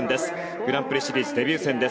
グランプリシリーズデビュー戦です。